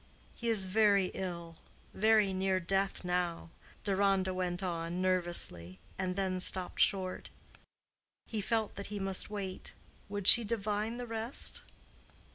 "He is very ill—very near death now," Deronda went on, nervously, and then stopped short. He felt that he must wait. Would she divine the rest?